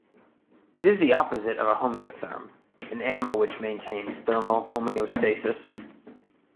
It is the opposite of a homeotherm, an animal which maintains thermal homeostasis.